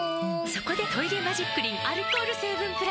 そこで「トイレマジックリン」アルコール成分プラス！